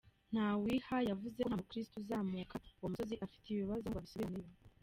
Ntawiha yavuze ko nta mukirisitu uzamuka uwo musozi afite ibibazo ngo abisubiraneyo.